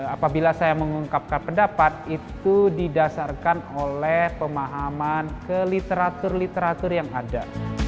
apabila saya mengungkapkan pendapat itu didasarkan oleh pemahaman ke literatur literatur yang ada